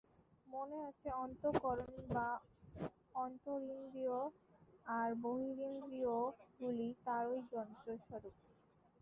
মনে হচ্ছে অন্তঃকরণ বা অন্তরিন্দ্রিয়, আর বহিরিন্দ্রিয়গুলি তারই যন্ত্রস্বরূপ।